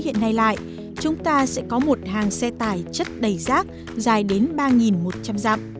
hiện nay lại chúng ta sẽ có một hàng xe tải chất đầy rác dài đến ba một trăm linh dặm